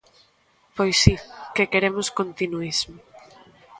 Pois si, que queremos continuísmo.